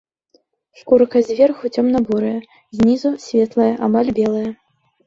Шкурка зверху цёмна-бурая, знізу светлая, амаль белая.